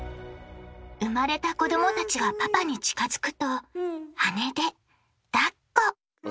生まれた子どもたちがパパに近づくと羽でだっこ。